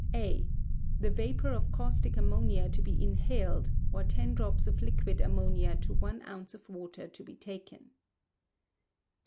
A. The vapour of caustic ammonia to be inhaled, or ten drops of liquid ammonia to one ounce of water to be taken.